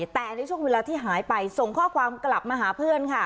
แต่ในช่วงเวลาที่หายไปส่งข้อความกลับมาหาเพื่อนค่ะ